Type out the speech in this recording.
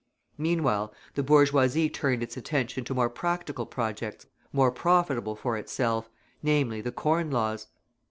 Meanwhile the bourgeoisie turned its attention to more practical projects, more profitable for itself, namely the Corn Laws.